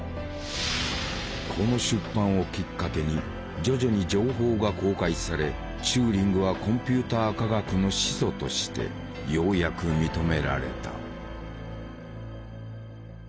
この出版をきっかけに徐々に情報が公開されチューリングはコンピューター科学の始祖としてようやく認められた。